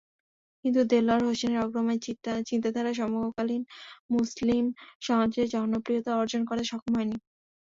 কিন্তু দেলওয়ার হোসেনের অগ্রগামী চিন্তাধারা সমকালীন মুসলিম সমাজে জনপ্রিয়তা অর্জন করতে সক্ষম হয়নি।